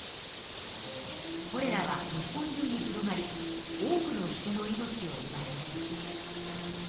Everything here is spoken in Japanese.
コレラは日本じゅうに広がり多くの人の命をうばいました。